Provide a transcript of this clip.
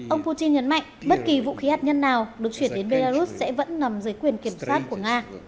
ông putin nhấn mạnh bất kỳ vũ khí hạt nhân nào được chuyển đến belarus sẽ vẫn nằm dưới quyền kiểm soát của nga